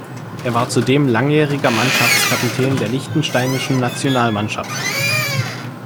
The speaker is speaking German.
Er war zudem langjähriger Mannschaftskapitän der liechtensteinischen Nationalmannschaft.